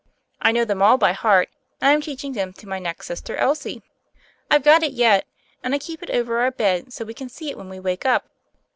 I know them all by heart, and I'm teaching them to my next sister, Elsie. I've got it yet, and I keep it over our bed so we can see it when we wake up."